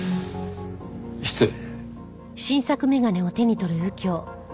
失礼。